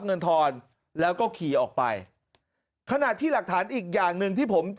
เงินทอนแล้วก็ขี่ออกไปขณะที่หลักฐานอีกอย่างหนึ่งที่ผม